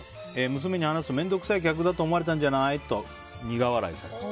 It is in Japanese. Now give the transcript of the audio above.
娘に話すと面倒くさい客だと思われたんじゃないと苦笑いされました。